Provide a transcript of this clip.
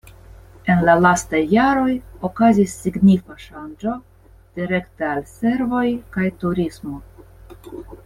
En la lastaj jaroj okazis signifa ŝanĝo direkte al servoj kaj turismo.